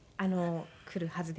来るはずです。